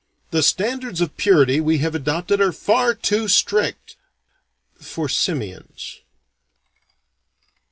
The standards of purity we have adopted are far too strict for simians.